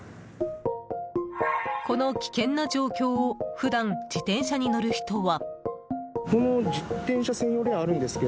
この危険な状況を普段、自転車に乗る人は。